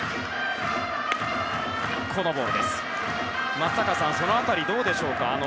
松坂さん、その辺りはどうでしょうか。